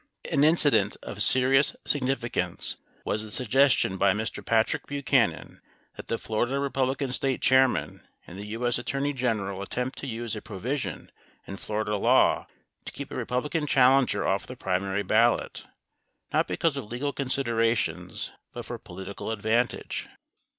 An incident of serious significance was the suggestion by Mr. Pat rick Buchanan that the Florida Republican State Chairman and the IJ.S. Attorney General attempt to use a provision in Florida law to keep a Republican challenger off the primary ballot, not be cause of legal considerations but for political advantage.